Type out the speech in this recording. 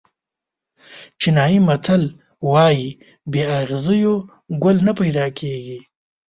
چینایي متل وایي بې اغزیو ګل نه پیدا کېږي.